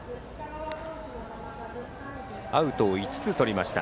アウトを５つとりました